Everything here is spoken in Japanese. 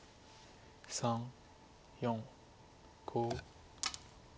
３４５。